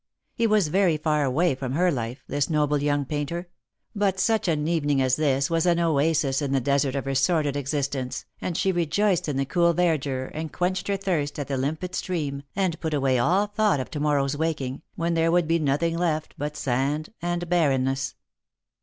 He was very far away from her life, this noble young painter ; but such an evening as this was an oasis in the desert of her sordid exist ence, and she rejoiced in the cool verdure, and quenched her thirst at the limpid stream, and put away all thought of to morrow's waking, when there would be nothing left but sand and barrenness.